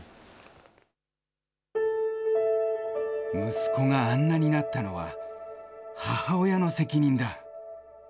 息子があんなになったのは、母親の責任だ。